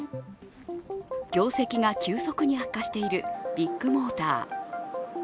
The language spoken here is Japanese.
業績が急速に悪化しているビッグモーター。